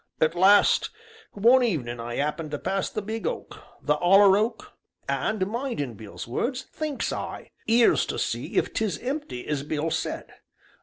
At last, one evenin' I 'appened to pass the big oak the 'oller oak, and mindin' Bill's words, thinks I 'ere's to see if 'tis empty as Bill said.